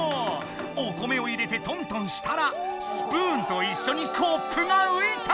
お米を入れてトントンしたらスプーンといっしょにコップがういた！